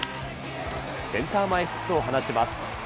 センター前ヒットを放ちます。